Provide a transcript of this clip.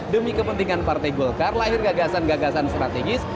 demi kepentingan partai golkar lahir gagasan gagasan strategis